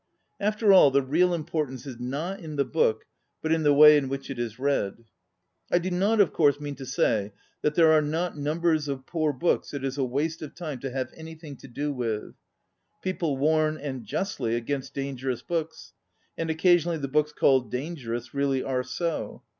After all, the real importance is not in the book but in the way in which it is read. I do not, of course, mean to say there are not numbers of poor books it is a waste of time to have anything to do with. People warn, and justly, against dangerous books, and occasionally the books called dangerous really are so.